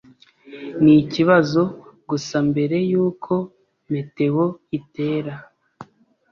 Ni ikibazo gusa mbere yuko meteor itera.